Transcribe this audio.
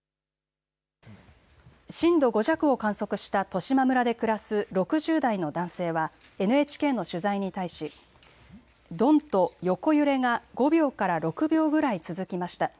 震度５弱を観測した十島村で暮らす６０代の男性はＮＨＫの取材に対しどんと横揺れが５秒から６秒ぐらい続きました。